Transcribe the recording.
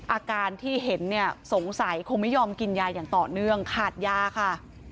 อาการที่เห็นเนี่ยสงสัยคงไม่ยอมกินยาอย่างต่อเนื่องขาดยาค่ะ